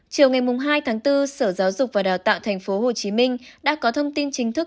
chiều ngày hai tháng bốn sở giáo dục và đào tạo tp hcm đã có thông tin chính thức